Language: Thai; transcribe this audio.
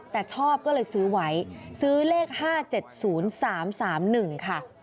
แต่ชอบก็เลยซื้อไว้ซื้อเลข๕๗๐๓๓๑ค่ะ